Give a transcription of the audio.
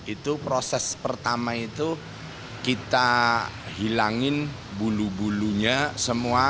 itu proses pertama itu kita hilangin bulu bulunya semua